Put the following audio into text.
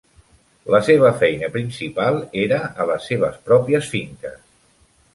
La seva feina principal era a les seves pròpies finques.